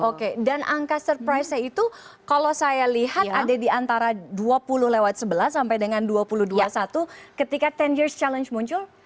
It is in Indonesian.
oke dan angka surprise nya itu kalau saya lihat ada di antara dua puluh lewat sebelas sampai dengan dua puluh dua puluh satu ketika sepuluh years challenge muncul